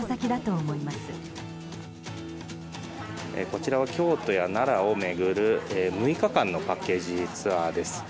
こちらは京都や奈良を巡る６日間のパッケージツアーです。